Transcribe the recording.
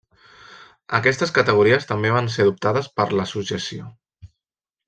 Aquestes categories també van ser adoptades per l'Associació.